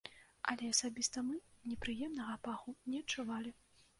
Але асабіста мы непрыемнага паху не адчувалі.